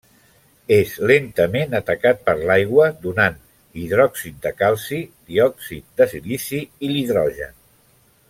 És lentament atacat per l'aigua donant hidròxid de calci, diòxid de silici i l'hidrogen.